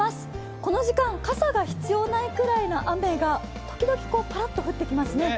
この時間、傘が必要ないくらいの雨が時折、パラッと降ってきますね。